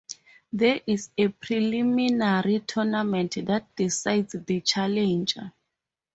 There is a preliminary tournament that decides the challenger.